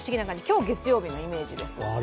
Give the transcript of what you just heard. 今日、月曜日のイメージです。